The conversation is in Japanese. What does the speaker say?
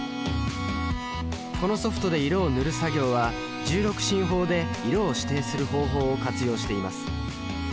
このソフトで色を塗る作業は１６進法で色を指定する方法を活用しています。